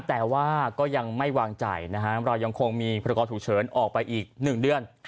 แต่ว่าก็ยังไม่วางใจนะฮะเรายังคงมีพรกรฉุกเฉินออกไปอีก๑เดือน